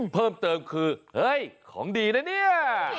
เพิ่มเติมคือเฮ้ยของดีนะเนี่ย